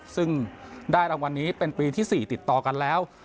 ซึ่งได้รางวัลนี้เป็นปีที่๔ติดต่อกันแล้ว